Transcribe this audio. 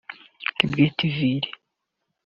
Kibweti-Ville